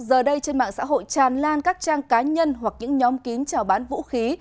giờ đây trên mạng xã hội tràn lan các trang cá nhân hoặc những nhóm kín trào bán vũ khí